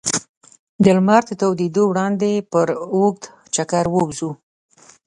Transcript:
لمر تر راتودېدا وړاندې پر اوږد چکر ووځو.